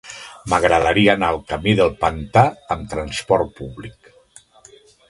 M'agradaria anar al camí del Pantà amb trasport públic.